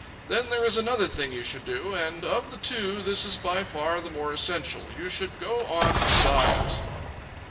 Then there is another thing you should do, and of the two this is by far the more essential you should go on a diet."